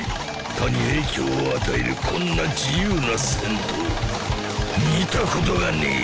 他に影響を与えるこんな自由な戦闘見たことがねえ！